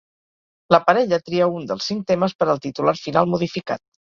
La parella tria un dels cinc temes per al titular final modificat.